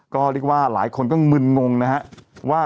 ก็เรียกว่าหลายคนก็มึนงงนะฮะว่า